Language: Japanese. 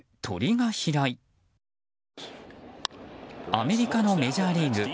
アメリカのメジャーリーグ。